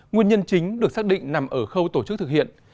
nguyên nhân chính được xác định nằm ở khâu tổ chức thực hiện